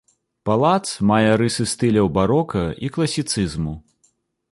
Палац мае рысы стыляў барока і класіцызму.